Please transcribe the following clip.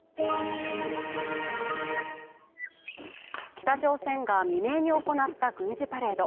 北朝鮮が未明に行った軍事パレード。